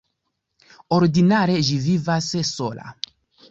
Ordinare ĝi vivas sola.